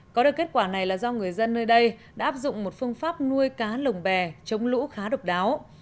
có được kết quả này là do người dân nơi đây đã áp dụng một phương pháp nuôi cá lồng bè chống lũ khá độc đáo